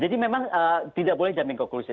jadi memang tidak boleh jamin koklusi